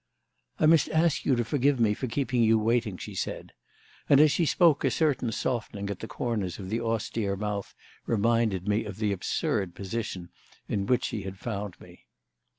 "I must ask you to forgive me for keeping you waiting," she said; and as she spoke a certain softening at the corners of the austere mouth reminded me of the absurd position in which she had found me.